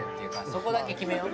そこだけ決めよう。